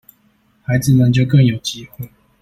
孩子們就更有機會